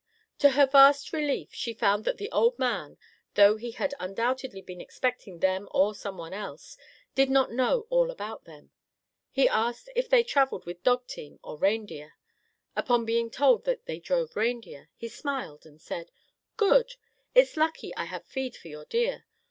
To her vast relief she found that the old man, though he had undoubtedly been expecting them or someone else, did not know all about them. He asked if they travelled with dog team or reindeer. Upon being told that they drove reindeer, he smiled and said: "Good. It's lucky I have feed for your deer.